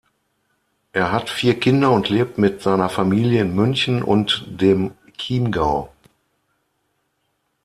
Er hat vier Kinder und lebt mit seiner Familie in München und dem Chiemgau.